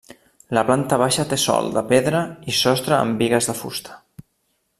La planta baixa té sòl de pedra i sostre amb bigues de fusta.